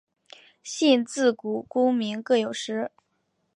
信自古功名各有时。